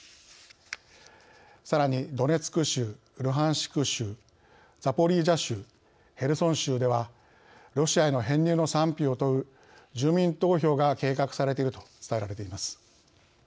さらにドネツク州ルハンシク州ザポリージャ州ヘルソン州ではロシアへの編入の賛否を問う住民投票が計画されていると伝えられています。